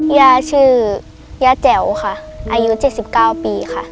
ย่าชื่อย่าแจ๋วค่ะอายุ๗๙ปีค่ะ